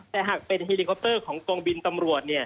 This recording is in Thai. แต่หากเป็นเฮลิคอปเตอร์ของกองบินตำรวจ